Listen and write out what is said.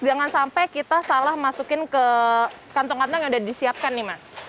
jangan sampai kita salah masukin ke kantong kantong yang sudah disiapkan nih mas